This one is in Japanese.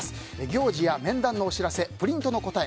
行事や面談のお知らせプリントの答え